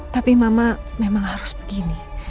tapi mama memang harus begini